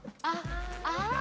あっああ！